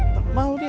tak mau dia